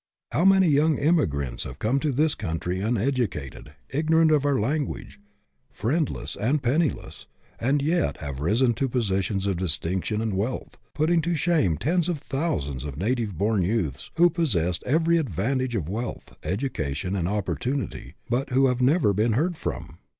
How many young immigrants have come to this country uneducated, ignorant of our lan guage, friendless and penniless, and yet have risen to positions of distinction and wealth, putting to shame tens of thousands of native born youths who possessed every advantage of wealth, education, and opportunity, but who have never been heard from!